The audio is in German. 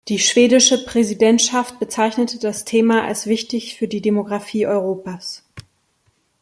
Die schwedische Präsidentschaft bezeichnete das Thema als wichtig für die Demographie Europas.